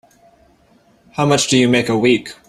How much do you make a week?